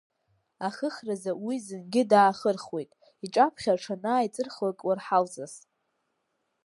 Ахыхразы уи зынгьы даахырхуеит, иҿаԥхьа рҽанааиҵырхлак уарҳалҵас.